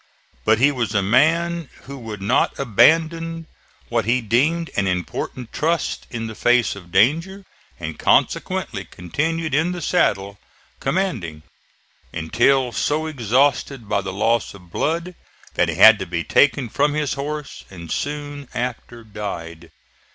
But he was a man who would not abandon what he deemed an important trust in the face of danger and consequently continued in the saddle, commanding, until so exhausted by the loss of blood that he had to be taken from his horse, and soon after died.